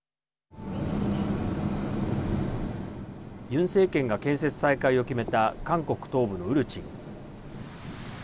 ユン政権が建設再開を決めた韓国東部のウルチン。